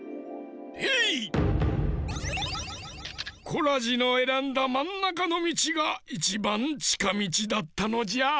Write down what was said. コラジのえらんだまんなかのみちがいちばんちかみちだったのじゃ。